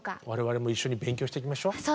我々も一緒に勉強していきましょう。